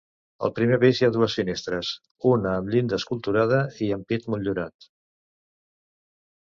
Al primer pis hi ha dues finestres, una amb llinda esculturada i ampit motllurat.